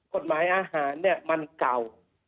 กฎหมายอาหารมันเก่า